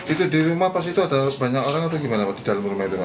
itu di rumah pas itu ada banyak orang atau gimana pak di dalam rumah itu